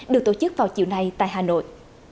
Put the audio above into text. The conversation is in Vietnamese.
được tổ chức vào chiều nay tại hà nội